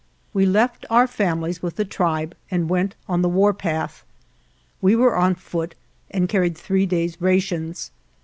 We left our 1 families with the tribe and went on the warpath. We were on foot and carried three days' rations.